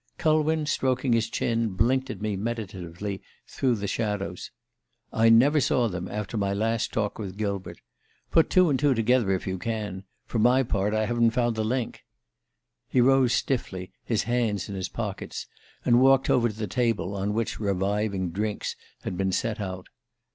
Culwin, stroking his chin, blinked at me meditatively through the shadows. "I never saw them after my last talk with Gilbert. Put two and two together if you can. For my part, I haven't found the link." He rose stiffly, his hands in his pockets, and walked over to the table on which reviving drinks had been set out.